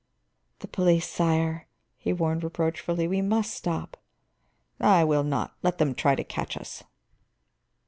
"The police, sire," he warned reproachfully. "We must stop." "I will not. Let them try to catch us."